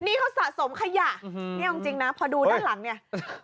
นี่เขาสะสมขยะนี่เอาจริงนะพอดูด้านหลังเนี่ย